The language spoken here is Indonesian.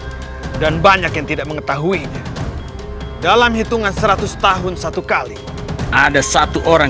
dan banyak yang tidak mengetahuinya dalam hitungan seratus tahun satu kali ada satu orang